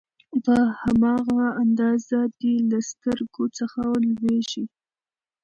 په هماغه اندازه دې له سترګو څخه لوييږي